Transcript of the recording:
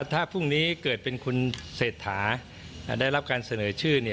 ถ้าพรุ่งนี้เกิดเป็นคุณเศรษฐาได้รับการเสนอชื่อ